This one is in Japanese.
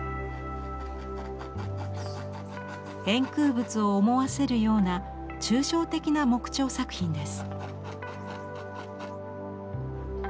円空仏を思わせるような抽象的な木彫作品です。